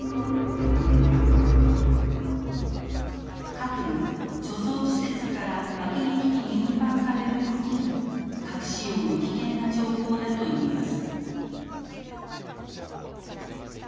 核が貯蔵施設から爆撃機に運搬される時が核使用の危険な兆候だといいます。